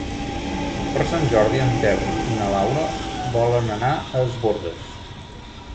Per Sant Jordi en Telm i na Laura volen anar a Es Bòrdes.